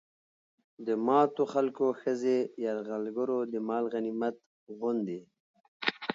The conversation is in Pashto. د ماتو خلکو ښځې يرغلګرو د مال غنميت غوندې